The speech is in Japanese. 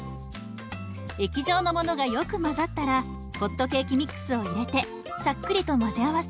液状のものがよく混ざったらホットケーキミックスを入れてさっくりと混ぜ合わせ